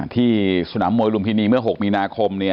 ที่สนามมวยลุมพินีเมื่อ๖มีนาคม